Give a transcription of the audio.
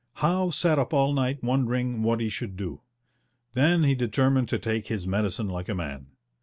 Howe sat up all night wondering what he should do. Then he determined to take his medicine like a man.